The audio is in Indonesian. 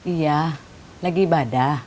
iya lagi ibadah